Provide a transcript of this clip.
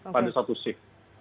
pada satu sif